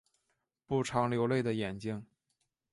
不常流泪的眼睛